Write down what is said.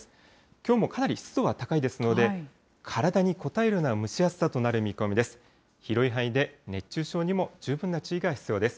きょうもかなり湿度が高いですので、体にこたえるような蒸し暑さとなる見込みです。